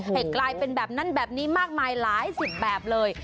ให้กลายเป็นแบบนั้นแบบนี้มากมายหลายสิบแบบเลย